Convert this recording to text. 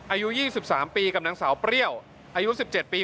อายุ๒๓ปีกับนางสาวเปรี้ยวอายุ๑๗ปี